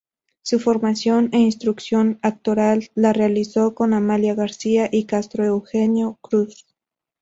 Su formación e instrucción actoral la realizó con Amalia García y Casto Eugenio Cruz.